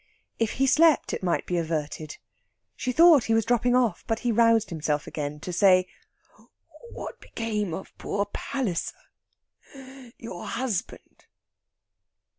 If he slept it might be averted. She thought he was dropping off, but he roused himself again to say: "What became of poor Palliser your husband?"